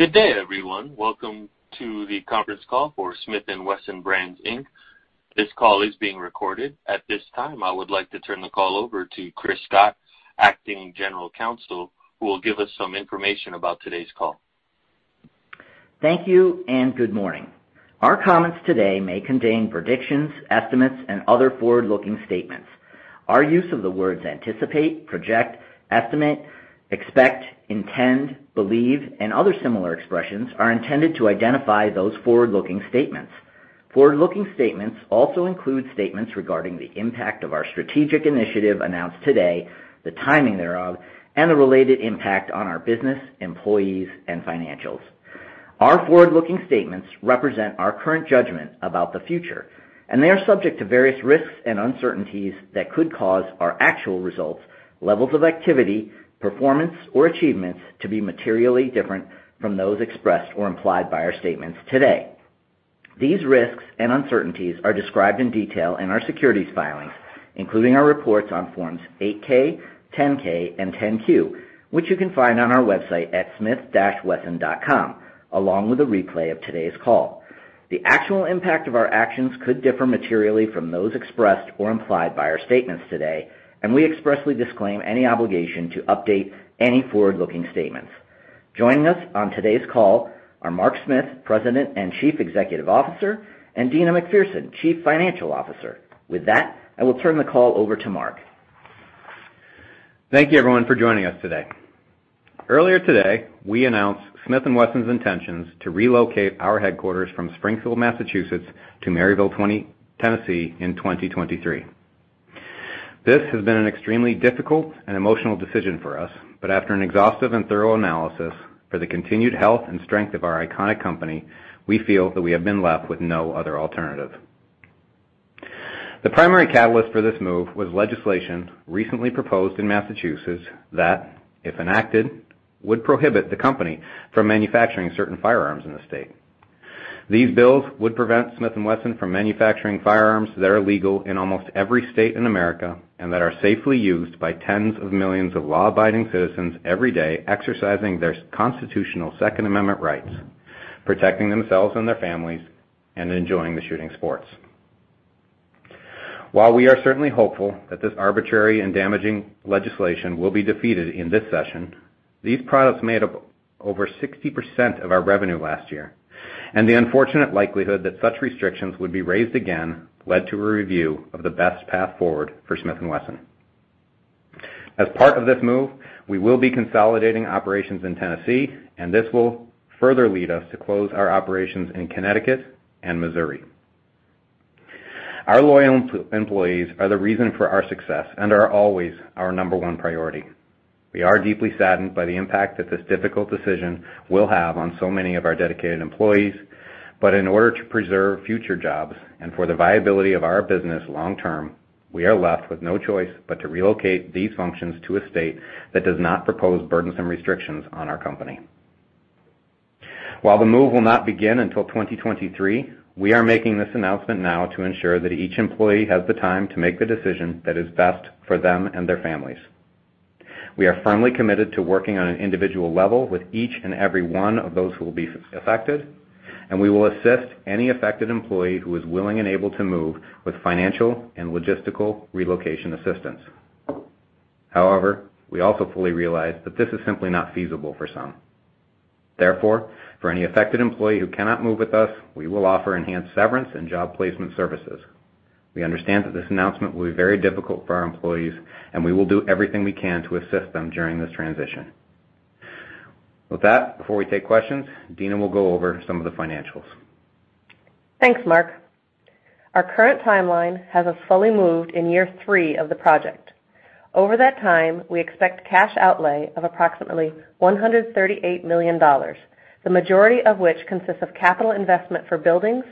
Good day, everyone. Welcome to the conference call for Smith & Wesson Brands, Inc. This call is being recorded. At this time, I would like to turn the call over to Chris Scott, Acting General Counsel, who will give us some information about today's call. Thank you, and good morning. Our comments today may contain predictions, estimates, and other forward-looking statements. Our use of the words anticipate, project, estimate, expect, intend, believe, and other similar expressions are intended to identify those forward-looking statements. Forward-looking statements also include statements regarding the impact of our strategic initiative announced today, the timing thereof, and the related impact on our business, employees, and financials. Our forward-looking statements represent our current judgment about the future, and they are subject to various risks and uncertainties that could cause our actual results, levels of activity, performance, or achievements to be materially different from those expressed or implied by our statements today. These risks and uncertainties are described in detail in our securities filings, including our reports on forms 8-K, 10-K and 10-Q, which you can find on our website at smith-wesson.com, along with a replay of today's call. The actual impact of our actions could differ materially from those expressed or implied by our statements today, and we expressly disclaim any obligation to update any forward-looking statements. Joining us on today's call are Mark P. Smith, President and Chief Executive Officer, and Deana McPherson, Chief Financial Officer. With that, I will turn the call over to Mark. Thank you everyone for joining us today. Earlier today, we announced Smith & Wesson's intentions to relocate our headquarters from Springfield, Massachusetts to Maryville, Tennessee in 2023. This has been an extremely difficult and emotional decision for us, but after an exhaustive and thorough analysis for the continued health and strength of our iconic company, we feel that we have been left with no other alternative. The primary catalyst for this move was legislation recently proposed in Massachusetts that, if enacted, would prohibit the company from manufacturing certain firearms in the state. These bills would prevent Smith & Wesson from manufacturing firearms that are legal in almost every state in America and that are safely used by tens of millions of law-abiding citizens every day, exercising their constitutional Second Amendment rights, protecting themselves and their families, and enjoying the shooting sports. While we are certainly hopeful that this arbitrary and damaging legislation will be defeated in this session, these products made up over 60% of our revenue last year, and the unfortunate likelihood that such restrictions would be raised again led to a review of the best path forward for Smith & Wesson. As part of this move, we will be consolidating operations in Tennessee, and this will further lead us to close our operations in Connecticut and Missouri. Our loyal employees are the reason for our success and are always our number one priority. We are deeply saddened by the impact that this difficult decision will have on so many of our dedicated employees, but in order to preserve future jobs and for the viability of our business long term, we are left with no choice but to relocate these functions to a state that does not propose burdensome restrictions on our company. While the move will not begin until 2023, we are making this announcement now to ensure that each employee has the time to make the decision that is best for them and their families. We are firmly committed to working on an individual level with each and every one of those who will be affected, and we will assist any affected employee who is willing and able to move with financial and logistical relocation assistance. However, we also fully realize that this is simply not feasible for some. For any affected employee who cannot move with us, we will offer enhanced severance and job placement services. We understand that this announcement will be very difficult for our employees, and we will do everything we can to assist them during this transition. Before we take questions, Deana will go over some of the financials. Thanks, Mark. Our current timeline has us fully moved in year three of the project. Over that time, we expect cash outlay of approximately $138 million, the majority of which consists of capital investment for buildings,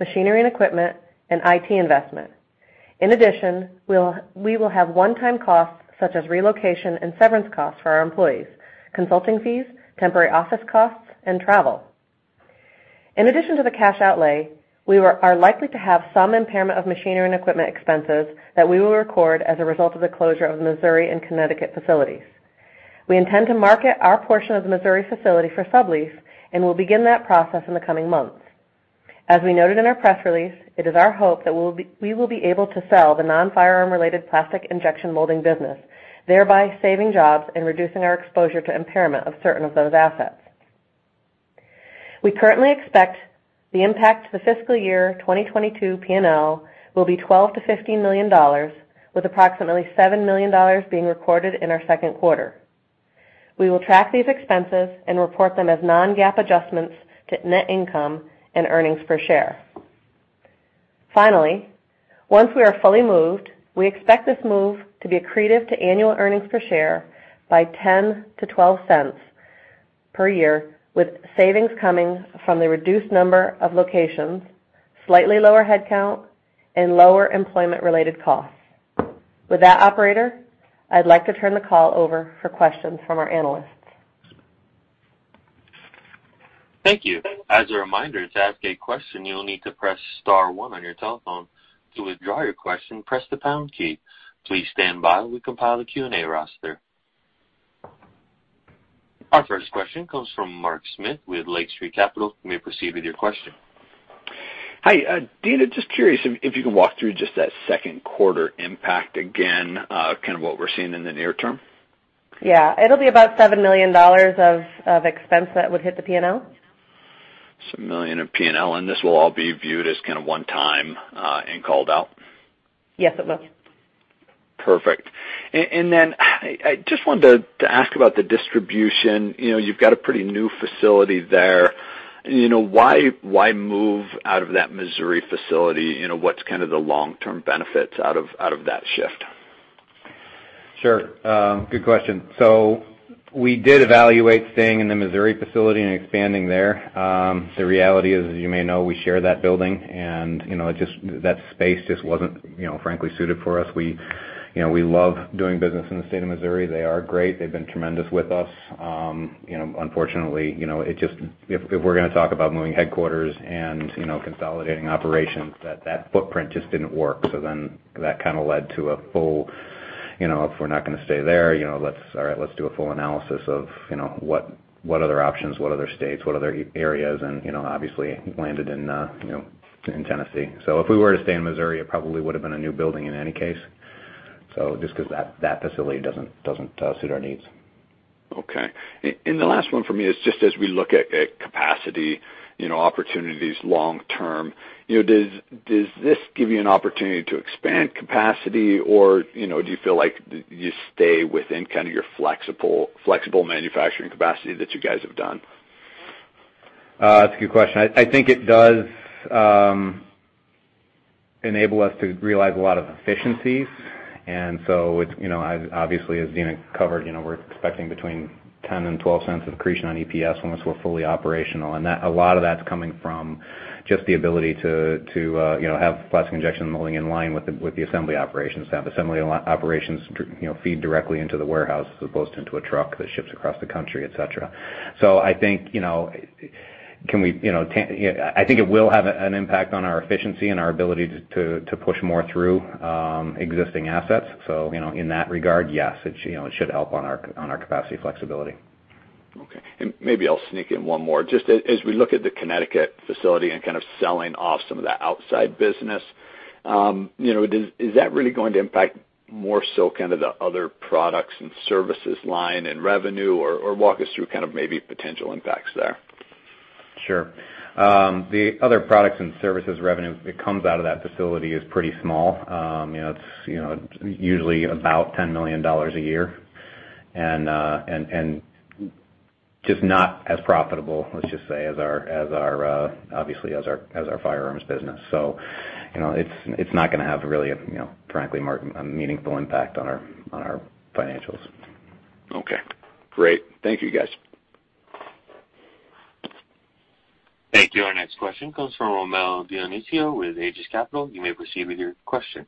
machinery and equipment, and IT investment. In addition, we will have one-time costs such as relocation and severance costs for our employees, consulting fees, temporary office costs, and travel. In addition to the cash outlay, we are likely to have some impairment of machinery and equipment expenses that we will record as a result of the closure of the Missouri and Connecticut facilities. We intend to market our portion of the Missouri facility for sublease and will begin that process in the coming months. As we noted in our press release, it is our hope that we will be able to sell the non-firearm-related plastic injection molding business, thereby saving jobs and reducing our exposure to impairment of certain of those assets. We currently expect the impact to the fiscal year 2022 P&L will be $12 million-$15 million, with approximately $7 million being recorded in our second quarter. We will track these expenses and report them as non-GAAP adjustments to net income and earnings per share. Finally, once we are fully moved, we expect this move to be accretive to annual earnings per share by $0.10-$0.12 per year, with savings coming from the reduced number of locations, slightly lower headcount, and lower employment-related costs. With that, operator, I'd like to turn the call over for questions from our analysts. Thank you. As a reminder, to ask a question, you will need to press star one on your telephone. To withdraw your question, press the pound key. Please stand by while we compile the Q&A roster. Our first question comes from Mark Smith with Lake Street Capital. You may proceed with your question. Hi, Deana McPherson. Just curious if you can walk through just that second quarter impact again, kind of what we're seeing in the near term. Yeah. It'll be about $7 million of expense that would hit the P&L. $7 million in P&L, and this will all be viewed as kind of one-time and called out? Yes, it will. Perfect. Then I just wanted to ask about the distribution. You've got a pretty new facility there. Why move out of that Missouri facility? What's kind of the long-term benefits out of that shift? Sure. Good question. We did evaluate staying in the Missouri facility and expanding there. The reality is, as you may know, we share that building and that space just wasn't frankly suited for us. We love doing business in the state of Missouri. They are great. They've been tremendous with us. Unfortunately, if we're going to talk about moving headquarters and consolidating operations, that footprint just didn't work. That kind of led to a full, if we're not going to stay there, all right, let's do a full analysis of what other options, what other states, what other areas, and obviously landed in Tennessee. If we were to stay in Missouri, it probably would've been a new building in any case. Just because that facility doesn't suit our needs. Okay. The last one from me is just as we look at capacity opportunities long term, does this give you an opportunity to expand capacity or, do you feel like you stay within kind of your flexible manufacturing capacity that you guys have done? That's a good question. I think it does enable us to realize a lot of efficiencies. Obviously, as Deana covered, we're expecting between $0.10 and $0.12 accretion on EPS once we're fully operational, and a lot of that's coming from just the ability to have plastic injection molding in line with the assembly operations, to have assembly operations feed directly into the warehouse as opposed to into a truck that ships across the country, et cetera. I think it will have an impact on our efficiency and our ability to push more through existing assets. In that regard, yes, it should help on our capacity flexibility. Okay. Maybe I'll sneak in one more. Just as we look at the Connecticut facility and kind of selling off some of that outside business, is that really going to impact more so kind of the other products and services line and revenue, or walk us through kind of maybe potential impacts there? Sure. The other products and services revenue that comes out of that facility is pretty small. It's usually about $10 million a year and just not as profitable, let's just say, obviously, as our firearms business. It's not going to have really, frankly, Mark, a meaningful impact on our financials. Okay. Great. Thank you, guys. Thank you. Our next question comes from Rommel Dionisio with Aegis Capital. You may proceed with your question.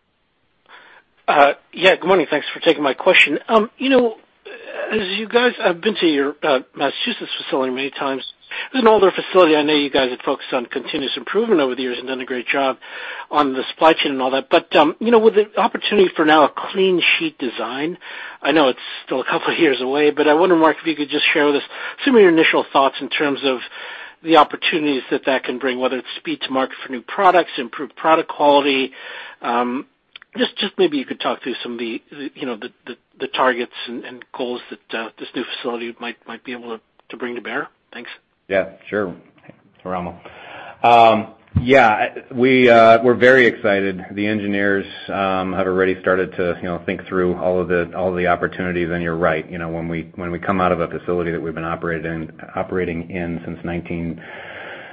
Yeah, good morning. Thanks for taking my question. As you guys have been to your Massachusetts facility many times, it's an older facility. I know you guys have focused on continuous improvement over the years and done a great job on the supply chain and all that. With the opportunity for now a clean sheet design, I know it's still a couple of years away, but I wonder, Mark, if you could just share with us some of your initial thoughts in terms of the opportunities that that can bring, whether it's speed to market for new products, improved product quality. Just maybe you could talk through some of the targets and goals that this new facility might be able to bring to bear. Thanks. Sure, Rommel. We're very excited. The engineers have already started to think through all of the opportunities. You're right. When we come out of a facility that we've been operating in since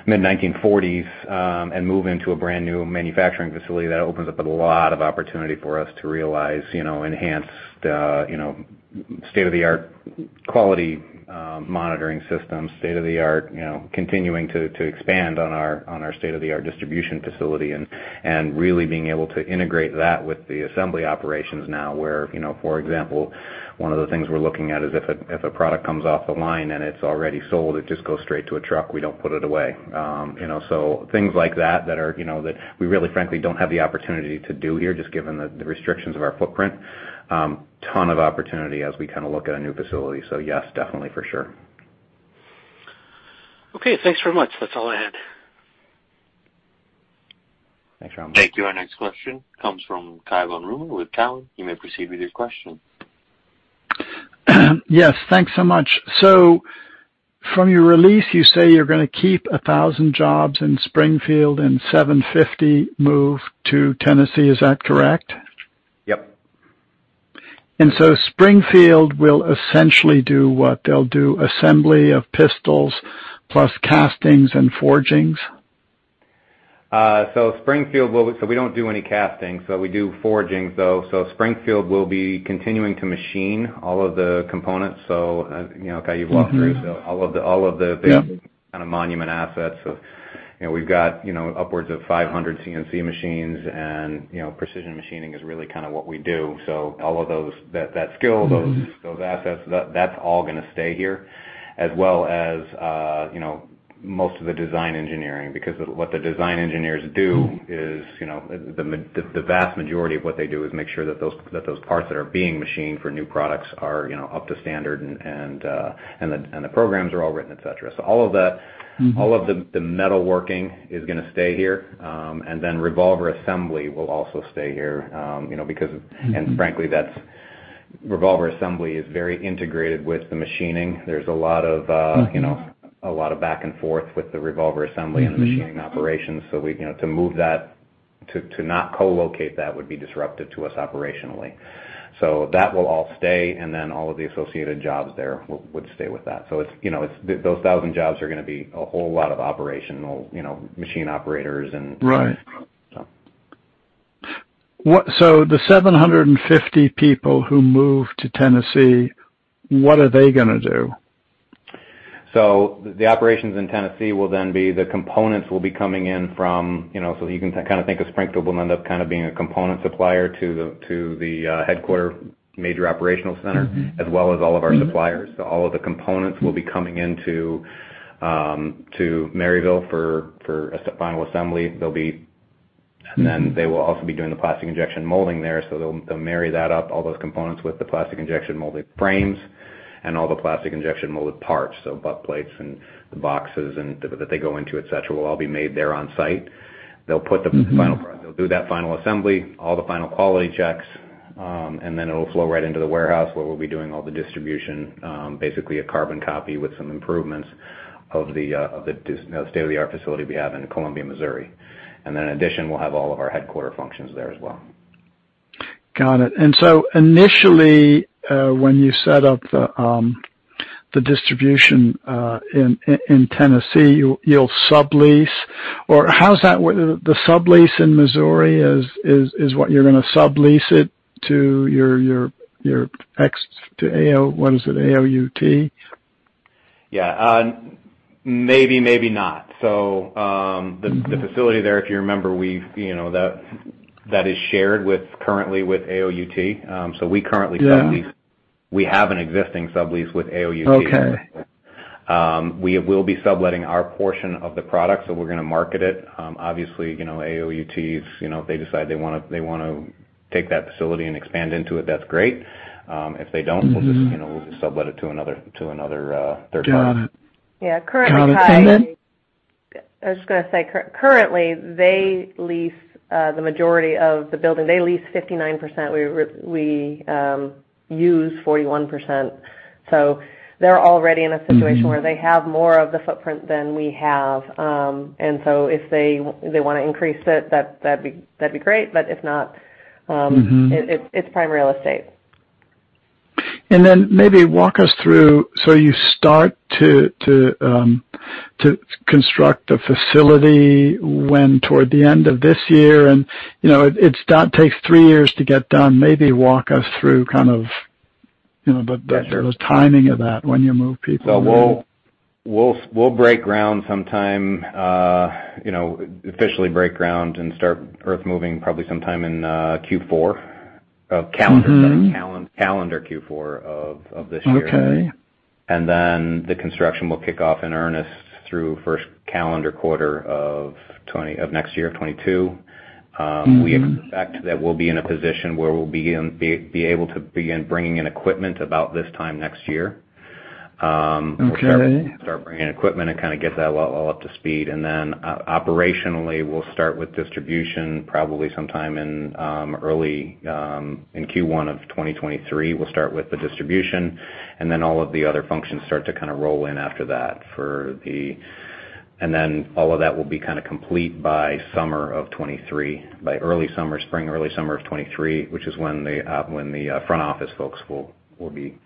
mid 1940s, and move into a brand-new manufacturing facility, that opens up a lot of opportunity for us to realize enhanced state-of-the-art quality monitoring systems, continuing to expand on our state-of-the-art distribution facility and really being able to integrate that with the assembly operations now where, for example, one of the things we're looking at is if a product comes off the line and it's already sold, it just goes straight to a truck. We don't put it away. Things like that we really frankly don't have the opportunity to do here, just given the restrictions of our footprint. Ton of opportunity as we kind of look at a new facility. Yes, definitely for sure. Okay, thanks very much. That's all I had. Thanks, Rommel. Thank you. Our next question comes from Kyle von Rumohr with Cowen. You may proceed with your question. Yes, thanks so much. From your release, you say you're going to keep 1,000 jobs in Springfield and 750 move to Tennessee. Is that correct? Yep. Springfield will essentially do what? They'll do assembly of pistols plus castings and forgings? We don't do any casting, we do forging, though. Springfield will be continuing to machine all of the components. Cai, you've walked through. Yeah We've got upwards of 500 CNC machines, and precision machining is really kind of what we do. All of that skill, those assets, that's all going to stay here, as well as most of the design engineering, because what the design engineers do is, the vast majority of what they do is make sure that those parts that are being machined for new products are up to standard, and the programs are all written, et cetera. All of the metalworking is going to stay here, and then revolver assembly will also stay here, and frankly, revolver assembly is very integrated with the machining. There's a lot of back and forth with the revolver assembly and the machining operations. To not co-locate that would be disruptive to us operationally. That will all stay, and then all of the associated jobs there would stay with that. Those 1,000 jobs are going to be a whole lot of operational machine operators and- Right. So. The 750 people who move to Tennessee, what are they going to do? The components will be coming in from. You can think of Springfield will end up being a component supplier to the headquarter major operational center, as well as all of our suppliers. All of the components will be coming into Maryville for a final assembly. They will also be doing the plastic injection molding there, they'll marry that up, all those components with the plastic injection molded frames and all the plastic injection molded parts. Butt plates and the boxes that they go into, et cetera, will all be made there on site. They'll do that final assembly, all the final quality checks, and then it'll flow right into the warehouse where we'll be doing all the distribution, basically a carbon copy with some improvements of the state-of-the-art facility we have in Columbia, Missouri. Then in addition, we'll have all of our headquarter functions there as well. Got it. Initially, when you set up the distribution in Tennessee, you'll sublease? The sublease in Missouri is what you're going to sublease it to your ex to AOUT? Yeah. Maybe, maybe not. The facility there, if you remember, that is shared currently with AOUT. We currently sublease. Yeah. We have an existing sublease with AOUT. Okay. We will be subletting our portion of the product, so we're going to market it. Obviously, AOUT, if they decide they want to take that facility and expand into it, that's great. If they don't, we'll just sublet it to another third party. Got it. Yeah, currently, Kai- Got it. Then? I was just going to say, currently, they lease the majority of the building. They lease 59%. We use 41%. They're already in a situation where they have more of the footprint than we have. If they want to increase it, that'd be great, but if not, it's prime real estate. Maybe walk us through, you start to construct a facility when, toward the end of this year, and it takes three years to get done? Maybe walk us through kind of the timing of that, when you move people in? We'll officially break ground and start earth moving probably sometime in Q4 of calendar Q4 of this year. Okay. The construction will kick off in earnest through first calendar quarter of next year, of 2022. We expect that we'll be in a position where we'll be able to begin bringing in equipment about this time next year. Okay. We'll start bringing in equipment and kind of get that all up to speed. Operationally, we'll start with distribution probably sometime in Q1 of 2023. We'll start with the distribution, and then all of the other functions start to kind of roll in after that. All of that will be kind of complete by summer of 2023, by early summer, spring, early summer of 2023, which is when the front office folks will be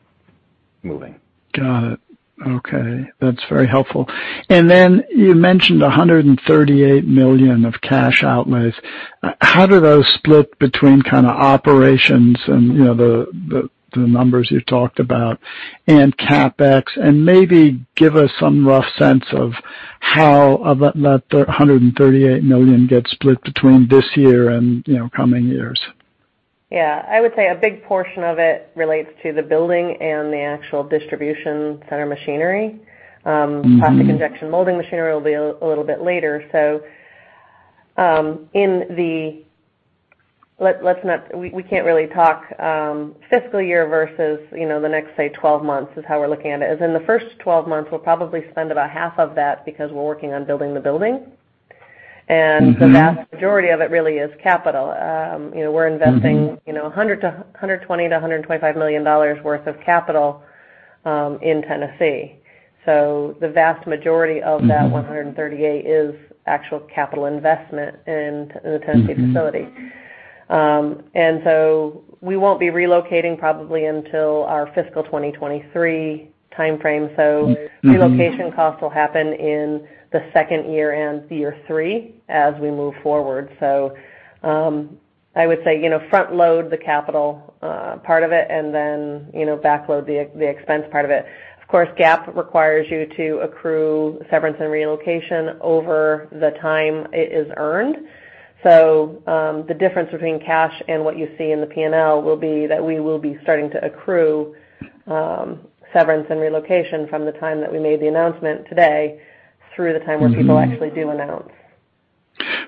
moving. Got it. Okay. That's very helpful. Then you mentioned $138 million of cash outlays. How do those split between kind of operations and the numbers you talked about and CapEx? Maybe give us some rough sense of how that $138 million gets split between this year and coming years. I would say a big portion of it relates to the building and the actual distribution center machinery. Plastic injection molding machinery will be a little bit later. We can't really talk fiscal year versus the next, say, 12 months is how we're looking at it, is in the first 12 months, we'll probably spend about half of that because we're working on building the building. The vast majority of it really is capital. We're investing $120 to $125 million worth of capital in Tennessee. The vast majority of that $138 is actual capital investment in the Tennessee facility. We won't be relocating probably until our fiscal 2023 timeframe. relocation costs will happen in the second year and year three as we move forward. I would say front-load the capital part of it and then backload the expense part of it. Of course, GAAP requires you to accrue severance and relocation over the time it is earned. The difference between cash and what you see in the P&L will be that we will be starting to accrue severance and relocation from the time that we made the announcement today through the time where people actually do announce.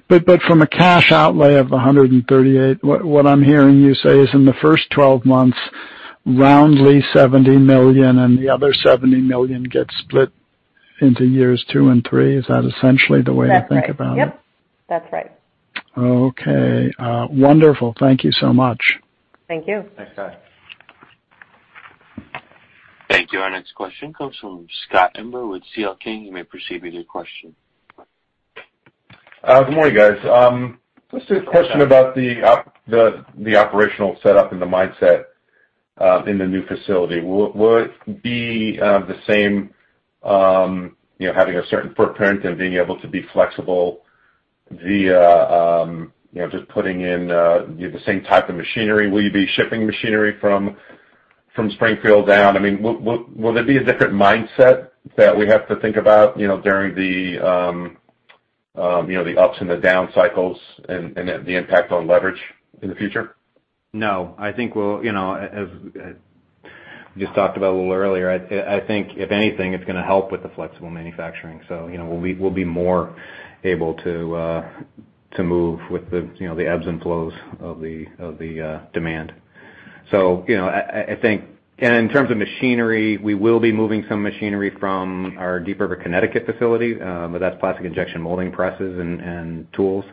From a cash outlay of $138, what I'm hearing you say is in the first 12 months, roundly $70 million and the other $70 million gets split into years two and three. Is that essentially the way to think about it? Yep. That's right. Okay. Wonderful. Thank you so much. Thank you. Thanks, cai. Thank you. Our next question comes from Scott Stember with C.L. King. You may proceed with your question. Good morning, guys. Just a question about the operational setup and the mindset in the new facility. Will it be the same, having a certain footprint and being able to be flexible via just putting in the same type of machinery? Will you be shipping machinery from Springfield down? Will there be a different mindset that we have to think about during the ups and the down cycles and the impact on leverage in the future? No. As we just talked about a little earlier, I think if anything, it's going to help with the flexible manufacturing. We'll be more able to move with the ebbs and flows of the demand. I think in terms of machinery, we will be moving some machinery from our Deep River, Connecticut facility, but that's plastic injection molding presses and tools.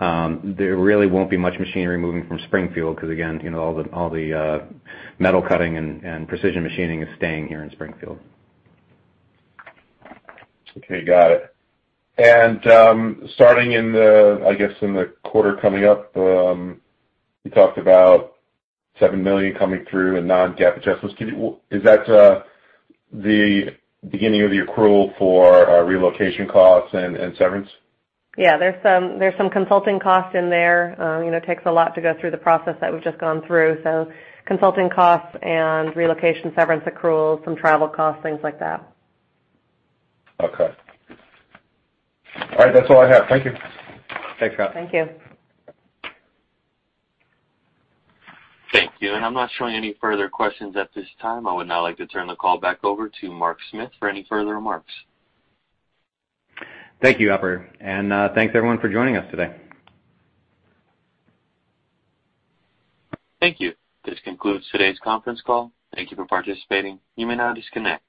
There really won't be much machinery moving from Springfield because, again, all the metal cutting and precision machining is staying here in Springfield. Okay, got it. Starting in the quarter coming up, you talked about $7 million coming through in non-GAAP adjustments. Is that the beginning of the accrual for relocation costs and severance? Yeah, there's some consulting costs in there. It takes a lot to go through the process that we've just gone through. Consulting costs and relocation severance accruals, some travel costs, things like that. Okay. All right. That's all I have. Thank you. Thanks, Scott. Thank you. Thank you. I'm not showing any further questions at this time. I would now like to turn the call back over to Mark Smith for any further remarks. Thank you, operator, and thanks everyone for joining us today. Thank you. This concludes today's conference call. Thank you for participating. You may now disconnect.